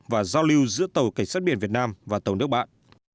và giao lưu giữa tàu cảnh sát biển việt nam và tàu nước bạn